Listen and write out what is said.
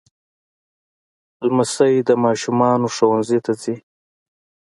لمسی د ماشومانو ښوونځي ته ځي.